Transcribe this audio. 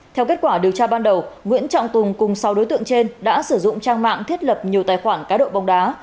theo kết quả điều tra ban đầu nguyễn trọng tùng cùng sáu đối tượng trên đã sử dụng trang mạng thiết lập nhiều tài khoản cá độ bóng đá